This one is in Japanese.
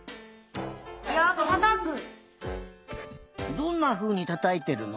どんなふうにたたいてるの？